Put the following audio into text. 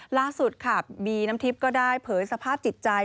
ล่าสุดค่ะบีน้ำทิพย์ก็ได้เผยสภาพจิตใจ